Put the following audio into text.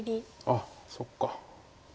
あっそっか。